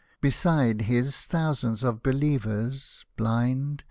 Beside his thousands of Believers — blind.